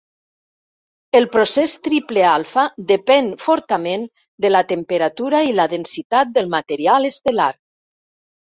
El procés triple alfa depèn fortament de la temperatura i la densitat del material estel·lar.